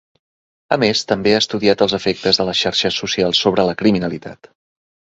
A més, també ha estudiat els efectes de les xarxes socials sobre la criminalitat.